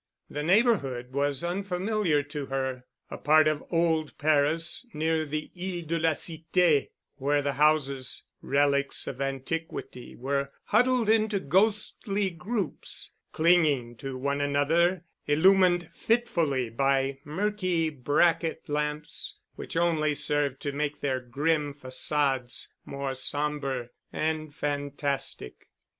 The neighborhood was unfamiliar to her, a part of old Paris near the Isle de la Cité, where the houses, relics of antiquity, were huddled into ghostly groups, clinging to one another, illumined fitfully by murky bracket lamps which only served to make their grim façades more somber and fantastic.